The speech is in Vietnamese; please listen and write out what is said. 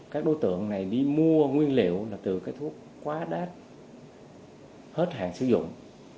các đối tượng này đi mua nguyên liệu là từ thuốc quá đắt hết hàng sử dụng